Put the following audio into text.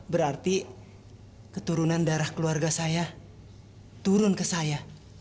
berarti keturunan darah keluarga saya turun ke saya